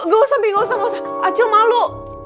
eh gak usah mi gak usah gak usah acil malu